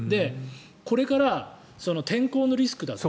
これから天候のリスクだとか。